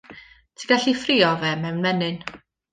Ti'n gallu 'i ffrio fe mewn menyn.